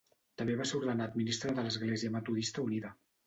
També va ser ordenat ministre de l'Església Metodista Unida.